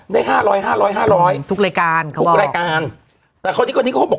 ได้ห้าร้อยห้าร้อยห้าร้อยทุกรายการทุกรายการแต่เขาที่ก่อนนี้ก็บอก